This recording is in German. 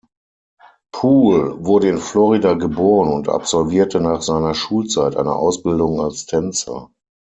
Poole wurde in Florida geboren und absolvierte nach seiner Schulzeit eine Ausbildung als Tänzer.